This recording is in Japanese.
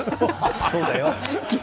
そうだよ。